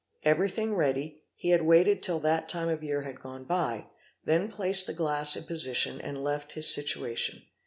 Everything ready, he had waited till that time of year had gone by, then placed the glass in position, and left his situation.